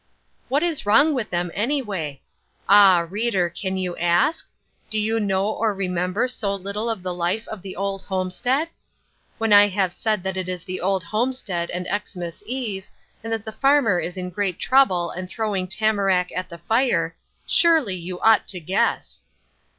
What was wrong with them anyway? Ah, reader, can you ask? Do you know or remember so little of the life of the old homestead? When I have said that it is the Old Homestead and Xmas Eve, and that the farmer is in great trouble and throwing tamarack at the fire, surely you ought to guess!